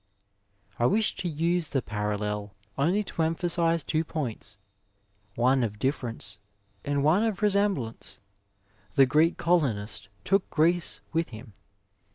'' I wish to use the parallel only to emphasise two points, one of difference and one of resemblance. The Greek colonist took Greece with him.